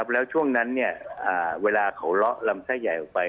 แล้วช่วงนั้นเวลาเขาเลาะลำไส้ใหญ่ออกไป